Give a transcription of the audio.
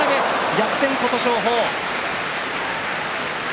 逆転、琴勝峰。